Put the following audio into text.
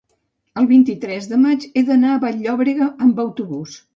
el vint-i-tres de maig he d'anar a Vall-llobrega amb autobús.